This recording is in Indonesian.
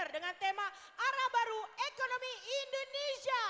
dengan tema arah baru ekonomi indonesia